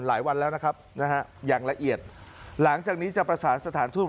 วันแล้วนะครับนะฮะอย่างละเอียดหลังจากนี้จะประสานสถานทูต